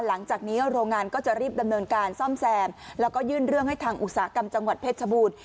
หลังจากนี้โรงงานก็จะรีบดำเนินการซ่อมแซมแล้วก็ยื่นเรื่องให้ทางอุตสาหกรรมจังหวัดเพชรชบูรณ์